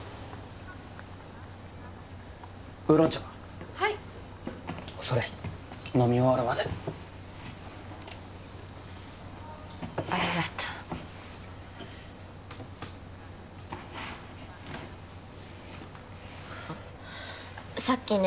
ウーロン茶・はいそれ飲み終わるまでありがとうさっきね